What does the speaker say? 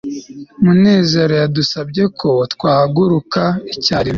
munezero yadusabye ko twahaguruka icyarimwe